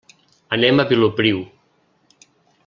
Anem a Vilopriu.